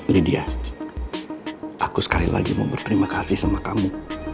lydia aku sekali lagi mau berterima kasih sama kamu